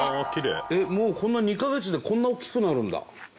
えっもうこんな２か月でこんな大きくなるんだ。